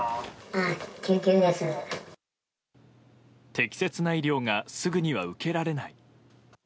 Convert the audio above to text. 適切な医療がすぐには受けられない。